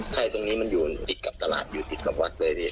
ไทยตรงนี้มันอยู่ติดกับตลาดอยู่ติดกับวัดเลยพี่